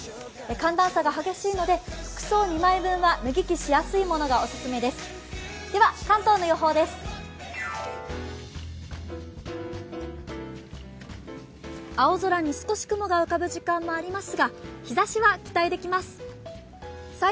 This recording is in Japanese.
寒暖差が激しいので服装２枚分は脱ぎ着しやすいものがオススメです。